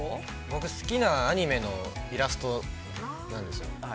◆僕、好きなアニメのイラストなんですよ。